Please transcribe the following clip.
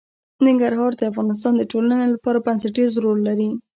ننګرهار د افغانستان د ټولنې لپاره بنسټيز رول لري.